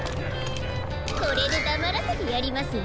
これでだまらせてやりますわ。